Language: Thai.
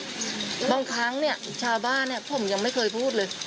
บางครั้งเนี่ยชาวบ้านเนี่ยผมยังไม่เคยพูดเลย